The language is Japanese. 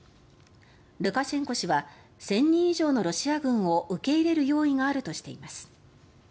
ルカシェンコ氏は１０００人以上のロシア軍を受け入れる用意があるとしています。